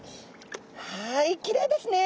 はいきれいですね。